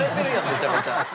めちゃめちゃ。